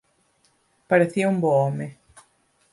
Parecía un bo home.